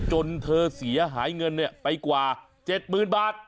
จนเธอเสียหายเงินไปกว่า๗๐๐๐บาท